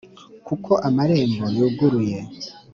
kuko amarembo yuguruye,